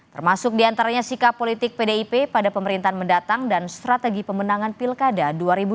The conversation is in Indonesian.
termasuk diantaranya sikap politik pdip pada pemerintahan mendatang dan strategi pemenangan pilkada dua ribu dua puluh